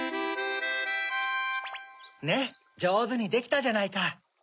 ねっじょうずにできたじゃないか。